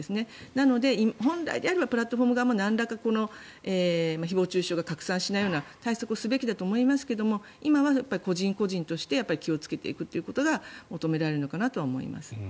なので、本来であればプラットフォーム側も誹謗・中傷が拡散しないような対策をするべきだと思いますけど今は個人個人として気をつけていくことが求められるのかなと思います。